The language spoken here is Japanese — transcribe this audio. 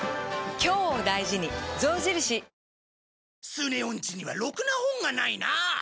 スネ夫ん家にはろくな本がないな。